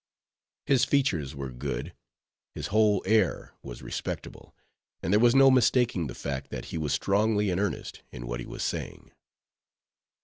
His features were good, his whole air was respectable, and there was no mistaking the fact, that he was strongly in earnest in what he was saying.